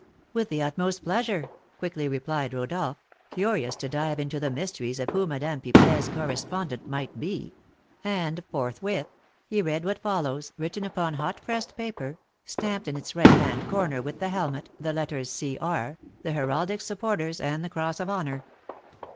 "With the utmost pleasure!" quickly replied Rodolph, curious to dive into the mysteries of who Madame Pipelet's correspondent might be; and forthwith he read what follows, written upon hot pressed paper, stamped in its right hand corner with the helmet, the letters "C. R.," the heraldic supporters, and the cross of honour.